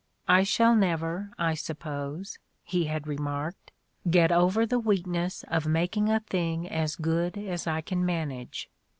*' I shall never, I suppose," he had remarked, "get over the weakness of making a thing as good as I can manage."